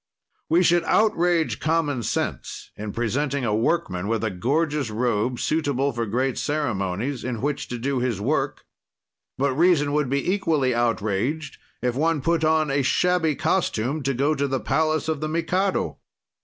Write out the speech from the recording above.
"We should outrage common sense in presenting a workman with a gorgeous robe suitable for great ceremonies, in which to do his work, but reason would be equally outraged if one put on a shabby costume to go to the palace of the Mikado."